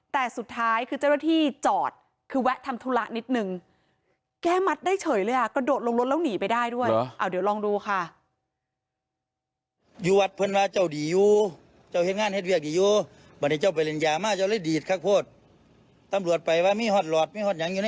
แต่สุดท้ายคือเจ้าหน้าที่จอดคือแวะทำธุระนิดนึงแก้มัดได้เฉยเลยอ่ะกระโดดลงรถแล้วหนีไปได้ด้วยเดี๋ยวลองดูค่ะ